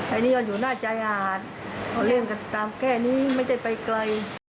อันนี้ก็อยู่หน้าชายหาดเขาเล่นกันตามแค่นี้ไม่ได้ไปไกล